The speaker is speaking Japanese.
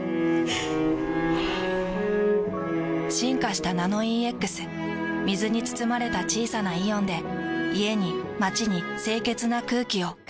ふぅ進化した「ナノイーＸ」水に包まれた小さなイオンで家に街に清潔な空気を。